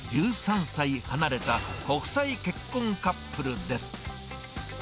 １３歳離れた国際結婚カップルです。